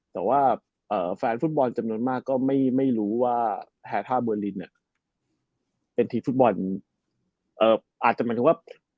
แต่ว่าแฟนฟุตบอลจำนวนมากก็ไม่รู้ว่าแฮท่าเบอร์ลินเป็นทีมฟุตบอลอาจจะหมายถึงว่า